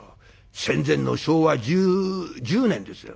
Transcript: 戦前の昭和１０年ですよ。